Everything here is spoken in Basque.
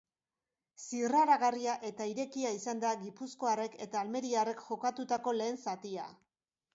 Zirraragarria eta irekia izan da gipuzkoarrek eta almeriarrek jokatutako lehen zatia.